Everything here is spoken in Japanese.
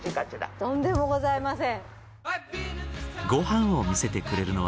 とんでもございません。